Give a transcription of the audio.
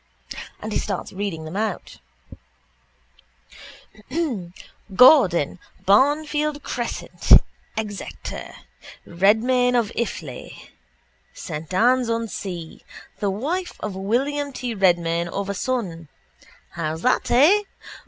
And he starts reading them out: —Gordon, Barnfield crescent, Exeter; Redmayne of Iffley, Saint Anne's on Sea: the wife of William T Redmayne of a son. How's that, eh?